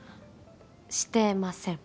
してません